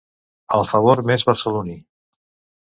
El favor més barceloní.